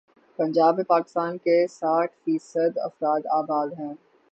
پنجاب میں پاکستان کے ساٹھ فی صد افراد آباد ہیں۔